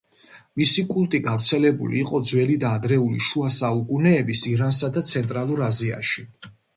მისი კულტი გავრცელებული იყო ძველი და ადრეული შუა საუკუნეების ირანსა და ცენტრალური აზიაში.